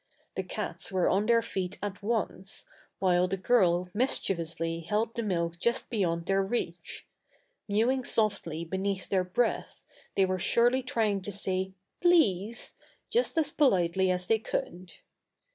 The cats were on their feet at once, while the girl mischievously held the milk just beyond their reach. Mewing softly beneath their breath they were surely trying to say "please!" just as politely as they could.